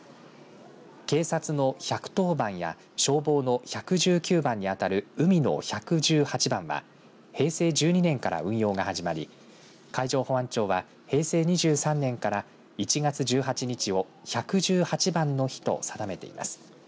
警察の１１０番や消防の１１９番に当たる海の１１８番は平成１２年から運用が始まり海上保安庁は平成２３年から１月１８日を１１８番の日と定めています。